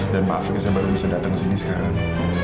dan maafin riza baru bisa datang ke sini sekarang